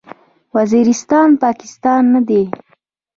وزیرستان، پاکستان نه دی.